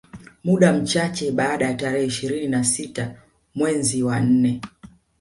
Muda mchache baadae tarehe ishirini na sita mezi wa nne